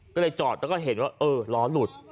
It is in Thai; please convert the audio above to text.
ก็เลยจอดแล้วก็เห็นว่าเออล้อหลุด